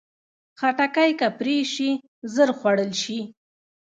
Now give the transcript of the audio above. خټکی که پرې شي، ژر خوړل شي.